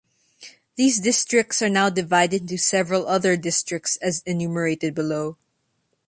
These districts are now divided into several other districts as enumerated below.